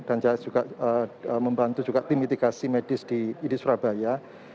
dan saya juga membantu tim mitigasi medis di idi surabaya